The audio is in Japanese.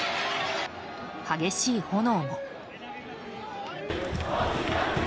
激しい炎も。